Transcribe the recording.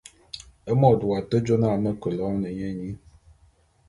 Môt w'ake jô na me ke loene nye nyi.